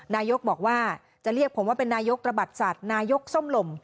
นายกบอกว่าจะเรียกผมว่าเป็นนายกตระบัดสัตว์นายกส้มลม